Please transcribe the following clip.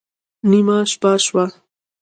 نېمه شپه شوه